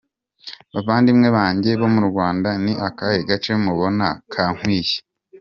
bavandimwe banjye bo mu Rwanda, ni akahe gace mubona kankwiye?”.